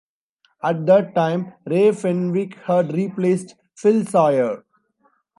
At that time Ray Fenwick had replaced Phil Sawyer.